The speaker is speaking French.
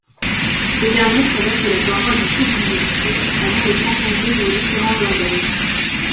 Ce dernier traverse la paroi du tube digestif avant de s'implanter dans différents organes.